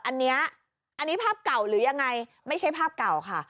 อันนี้อันนี้ภาพเก่าหรือยังไงไม่ใช่ภาพเก่าค่ะ